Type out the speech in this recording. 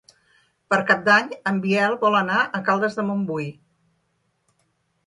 Per Cap d'Any en Biel vol anar a Caldes de Montbui.